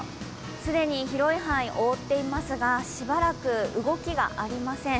既に広い範囲を覆っていますがしばらく動きがありません。